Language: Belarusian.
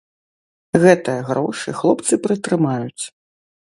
Гэтыя грошы хлопцы прытрымаюць.